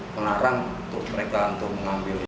melarang mereka untuk mengambil